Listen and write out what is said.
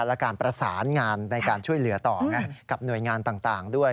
และการประสานงานในการช่วยเหลือต่อกับหน่วยงานต่างด้วย